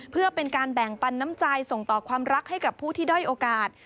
เพื่อเป็นการแบ่งปันน้ำใจส่งต่อความรักให้กับผู้ที่ด้อยโอกาส